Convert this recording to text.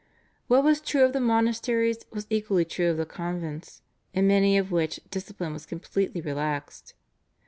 What was true of the monasteries was equally true of the convents, in many of which discipline was completely relaxed.